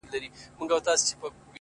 هغې ويله ځمه د سنگسار مخه يې نيسم،